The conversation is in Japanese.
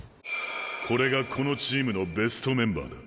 これがこのチームのベストメンバーだ。